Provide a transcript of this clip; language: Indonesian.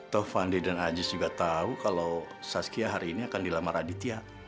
tovandi dan aziz juga tahu kalau saskia hari ini akan dilamar aditya